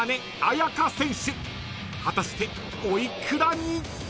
［果たしてお幾らに？］